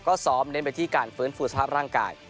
ก็ซ้อมเน้นไปที่การฟื้นฟูสภาพร่างกาย